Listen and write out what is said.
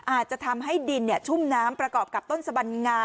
อาจจะทำให้ดินชุ่มน้ำประกอบกับต้นสบันงา